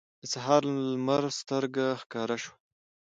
د سهار لمر سترګه ښکاره شوه.